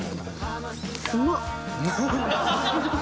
うまっ！